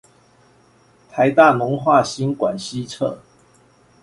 臺大農化新館西側